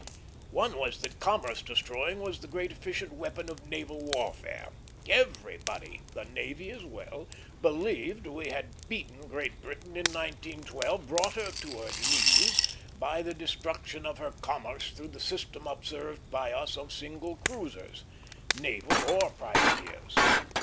One was that commerce destroying was the great efficient weapon of naval warfare. Everybody the navy as well believed we had beaten Great Britain in 1812, brought her to her knees, by the destruction of her commerce through the system observed by us of single cruisers; naval or privateers.